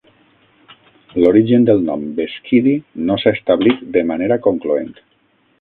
L'origen del nom "beskydy" no s'ha establit de manera concloent.